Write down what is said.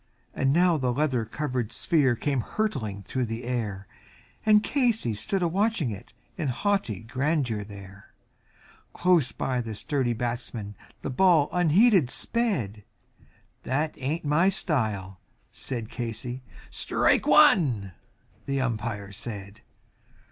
And now the leather covered sphere came hurtling through the air, And Casey stood a watching it in haughty grandeur there; Close by the sturdy batsman the ball unheeded sped "That hain't my style," said Casey "Strike one," the Umpire said.